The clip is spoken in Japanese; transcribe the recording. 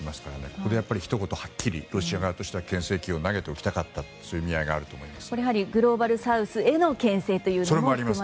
ここでひと言はっきりロシア側としては牽制球を投げておきたかったという意味があると思います。